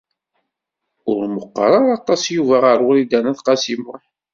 Ur meqqer ara aṭas Yuba ɣef Wrida n At Qasi Muḥ.